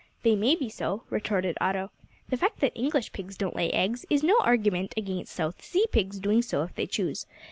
"They may be so," retorted Otto; "the fact that English pigs don't lay eggs, is no argument against South Sea pigs doing so, if they choose.